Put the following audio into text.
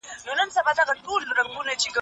مشرانو جرګه د ولسي جرګي پريکړي څنګه ګوري؟